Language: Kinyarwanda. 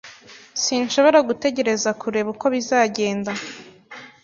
Sinshobora gutegereza kureba uko bizagenda.